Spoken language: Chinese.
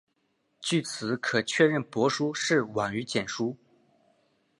据此可确认帛书是晚于简书。